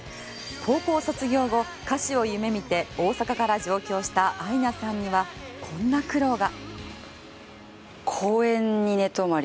高校卒業後、歌手を夢見て大阪から上京したアイナさんにはこんな苦労が。